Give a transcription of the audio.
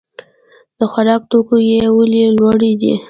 د خوراکي توکو بیې ولې لوړې دي؟